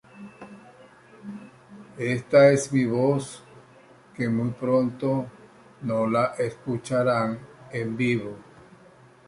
Los libros de la serie Sebastian Darke son una serie de fantasía para niños.